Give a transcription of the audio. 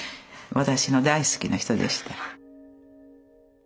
私の大好きな人でした。